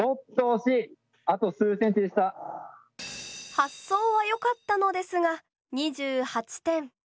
発想は良かったのですが２８点。